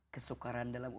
kesukaran dalam hidup